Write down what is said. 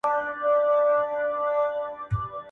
تاسو د مثبت ذهنیت سره په ژوند کي هیڅکله نا امیده کیږئ.